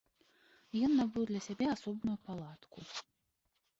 Ён набыў для сябе асобную палатку.